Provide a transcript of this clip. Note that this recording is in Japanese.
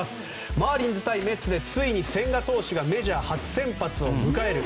マーリンズ対メッツでついに千賀投手がメジャー初先発を迎える。